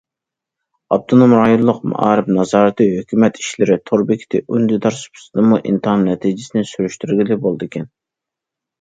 ئاپتونوم رايونلۇق مائارىپ نازارىتى ھۆكۈمەت ئىشلىرى تور بېكىتى ئۈندىدار سۇپىسىدىنمۇ ئىمتىھان نەتىجىسىنى سۈرۈشتۈرگىلى بولىدىكەن.